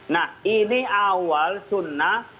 nah ini awal sunnah